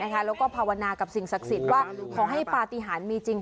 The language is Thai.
แล้วก็ภาวนากับสิ่งศักดิ์สิทธิ์ว่าขอให้ปฏิหารมีจริง